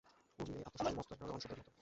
ঊর্মির এই আত্মশাসন মস্ত একটা ঋণশোধের মতো।